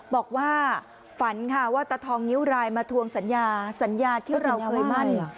บอกว่าฝันค่ะว่าตฐองเงิวรายมาทรวงสัญญาที่เราเคยมั่น